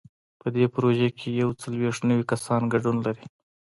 په دې پروژه کې یو څلوېښت نوي کسان ګډون لري.